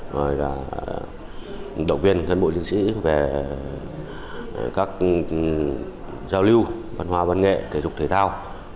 rồi là động viên thân bộ chiến sĩ về các giao lưu văn hóa văn nghệ thể dục thể thao